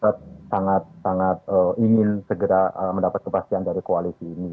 makanya sangat ingin segera mendapat kepastian dari koalisi ini